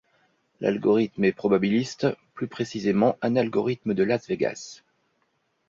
L'algorithme est probabiliste, plus précisément un algorithme de Las Vegas.